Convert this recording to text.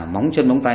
móng chân móng tay